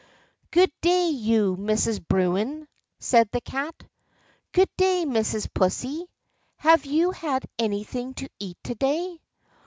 "Good day, you Mrs. Bruin," said the Cat. "Good day, Mrs. Pussy; have you had anything to eat to day?"